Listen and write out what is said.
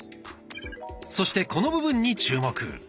そしてこの部分に注目！